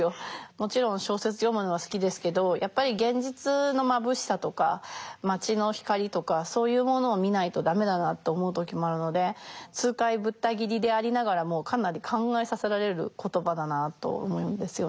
もちろん小説読むのは好きですけどやっぱり現実のまぶしさとか街の光とかそういうものを見ないと駄目だなと思う時もあるので痛快ぶった切りでありながらもかなり考えさせられる言葉だなあと思うんですよね。